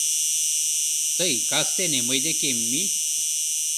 Тый кастене мый декем мий.